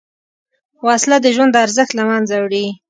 وسله د ژوند ارزښت له منځه وړي